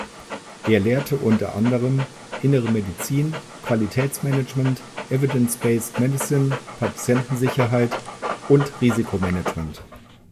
Er lehrte unter anderem Innere Medizin, Qualitätsmanagement, Evidence-based Medicine, Patientensicherheit und Risikomanagement.